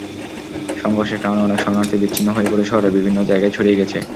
সংঘর্ষের কারণে অনেক শরণার্থী বিচ্ছিন্ন হয়ে পড়ে শহরের বিভিন্ন জায়গায় ছড়িয়ে গেছে।